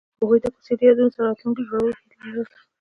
هغوی د کوڅه له یادونو سره راتلونکی جوړولو هیله لرله.